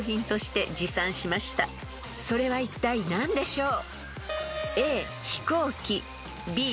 ［それはいったい何でしょう？］